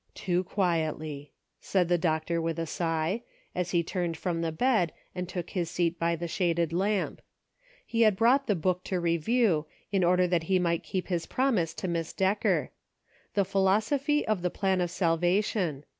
"Too quietly," said the doctor with a sigh, as he turned from the bed and took his seat by the shaded lamp. lie had brought the book to review, in order that he might keep his promise to Miss Decker — "The Philosophy of the Plan of Salva tion."